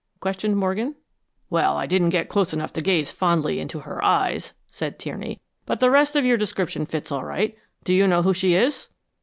questioned Morgan. "Well, I didn't get close enough to gaze fondly into her eyes," said Tierney, "but the rest of your description fits all right. Do you know who she is?"